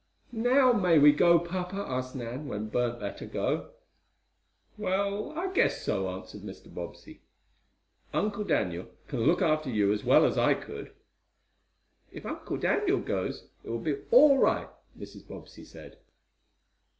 "Now may we go, papa?" asked Nan, when Bert let her go. "Well, I guess so," answered Mr. Bobbsey. "Uncle Daniel can look after you as well as I could." "If Uncle Daniel goes, it will be all right," Mrs. Bobbsey said.